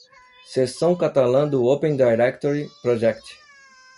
Seção catalã do Open Directory Project.